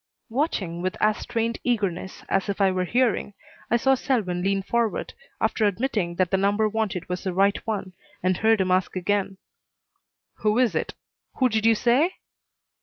Watching with as strained eagerness as if I were hearing, I saw Selwyn lean forward, after admitting that the number wanted was the right one, and heard him ask again: "Who is it? Who did you say?"